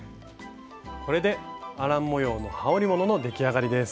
これでアラン模様のはおりものの出来上がりです。